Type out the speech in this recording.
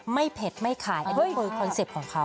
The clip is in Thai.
ไม่เผ็ดไม่คายน่ะคือคอนเซ็ปต์ของเขา